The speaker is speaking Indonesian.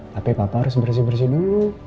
tapi papa harus bersih bersih dulu